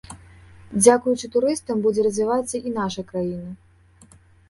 Дзякуючы турыстам будзе развівацца і наша краіна.